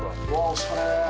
おしゃれ。